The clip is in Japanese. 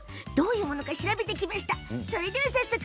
どういうものか調べてきました。